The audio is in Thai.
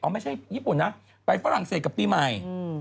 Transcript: ไม่ใช่ญี่ปุ่นนะไปฝรั่งเศสกับปีใหม่